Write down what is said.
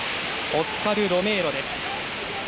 オスカル・ロメーロです。